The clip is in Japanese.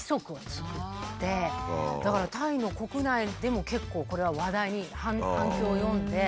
だからタイの国内でも結構これは話題に反響を呼んで。